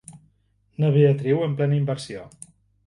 Na Beatriu en plena inversió.